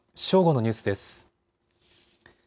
正午のニュースです。